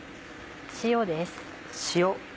塩です。